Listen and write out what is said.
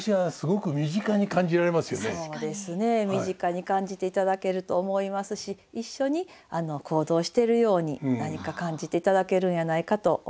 そうですね身近に感じていただけると思いますし一緒に行動しているように何か感じていただけるんやないかと思います。